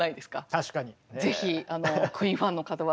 確かに。